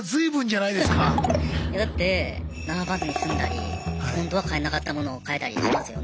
いやだって並ばずに済んだり本当は買えなかった物を買えたりしますよね。